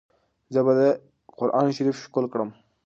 زه به دا قرانشریف ښکل کړم.